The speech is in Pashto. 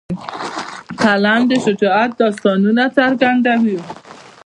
قلم د شجاعت داستانونه څرګندوي